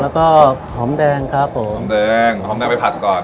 แล้วก็หอมแดงครับผมหอมแดงหอมแดงไปผัดก่อน